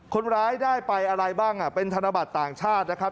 คนร้ายได้ไปอะไรบ้างเป็นธนบัตรต่างชาตินะครับ